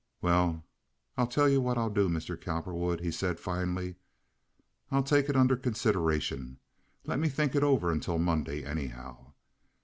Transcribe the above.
"Well, I'll tell you what I'll do, Mr. Cowperwood," he said, finally. "I'll take it all under consideration. Let me think it over until Monday, anyhow.